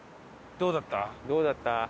どうだった？